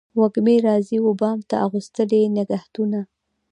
وږمې راځي و بام ته اغوستلي نګهتونه